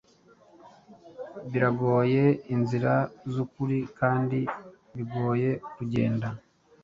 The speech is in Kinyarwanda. Biragoye inzira zukuri, kandi bigoye kugenda,